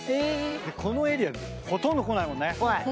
このエリアほとんど来ないもんね。